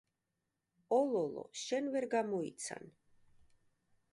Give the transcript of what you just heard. ოლოლო შენ, ვერ გამოიცან